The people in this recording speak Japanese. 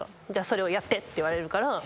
「それをやって」って言われるから。